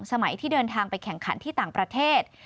สมัยที่เดินทางไปแข่งขันที่ต่างประเทศ